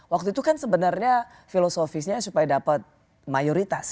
waktu itu kan sebenarnya filosofisnya supaya dapat mayoritas